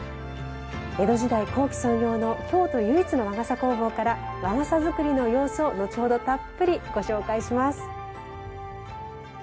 江戸時代後期創業の京都唯一の和傘工房から和傘作りの様子を後ほどたっぷりご紹介します。